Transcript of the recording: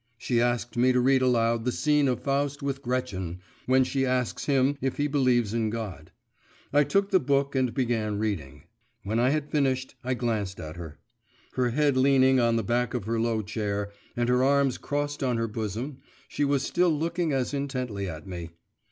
She asked me to read aloud the scene of Faust with Gretchen, when she asks him if he believes in God. I took the book and began reading. When I had finished, I glanced at her. Her head leaning on the back of her low chair and her arms crossed on her bosom, she was still looking as intently at me.